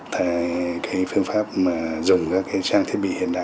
thì phương pháp dùng các trang thiết bị hiện đại